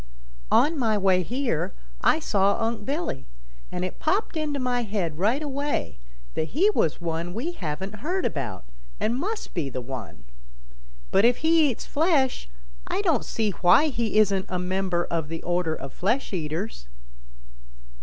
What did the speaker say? "On my way here I saw Unc' Billy, and it popped into my head right away that he was one we haven't heard about, and must be the one. But if he eats flesh, I don't see why he isn't a member of the order of flesh eaters."